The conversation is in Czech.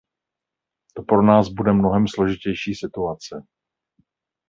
To pro nás bude mnohem složitější situace.